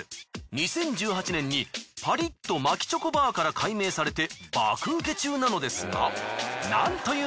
２０１８年にパリッと巻きチョコバーから改名されて爆ウケ中なのですが。